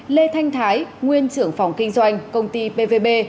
lê thanh thái nguyên trưởng phòng kinh doanh công ty pvb